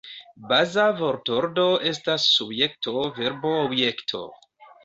Baza vortordo estas Subjekto-Verbo-Objekto.